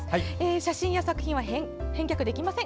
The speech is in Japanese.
写真や作品は返却できません。